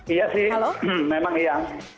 iya sih memang iya